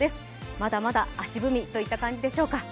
まだまだ足踏みといった感じでしょうか。